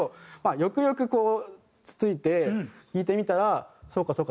よくよくこうつついて聴いてみたらそうかそうか。